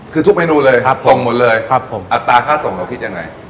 คือทุกเมนูเลยส่งหมดเลยอัตราค่าส่งเราคิดยังไง